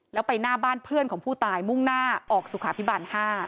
แล้วไปหน้าบ้านเพื่อนของผู้ตายมุ่งหน้าออกสุขาพิบาล๕